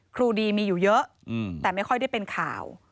ครูดีมีอยู่เยอะแต่ไม่ค่อยได้เป็นข่าว